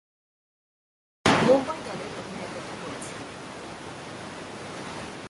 মুম্বই দলের অধিনায়কত্ব করেছেন।